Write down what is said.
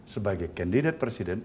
sebagai kandidat presiden